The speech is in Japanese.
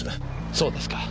そうですか。